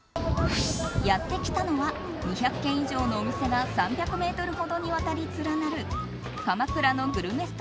やってきたのは２００軒以上のお店が３００ｍほどにわたり連なる鎌倉のグルメ